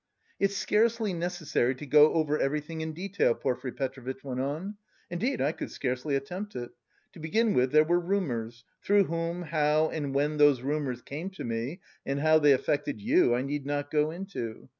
"It's scarcely necessary to go over everything in detail," Porfiry Petrovitch went on. "Indeed, I could scarcely attempt it. To begin with there were rumours. Through whom, how, and when those rumours came to me... and how they affected you, I need not go into.